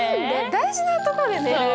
大事なとこで寝る！